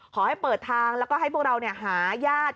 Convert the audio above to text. ขอให้เปิดทางแล้วก็ให้พวกเราหาญาติ